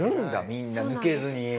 みんな抜けずに。